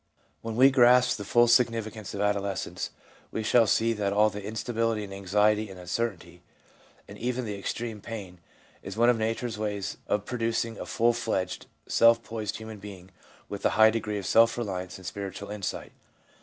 When we grasp the full significance of adolescence we shall see that all the instability and anxiety and uncertainty, and even the extreme pain, is one of nature's ways of producing a full fledged, self poised human being with a high degree of self reliance and spiritual insight.